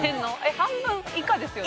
半分以下ですよね